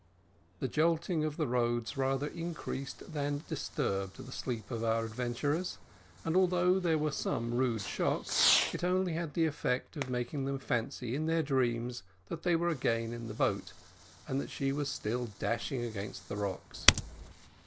The jolting of the roads rather increased than disturbed the sleep of our adventurers; and, although there were some rude shocks, it only had the effect of making them fancy in their dreams that they were again in the boat, and that she was still dashing against the rocks.